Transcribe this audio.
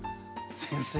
先生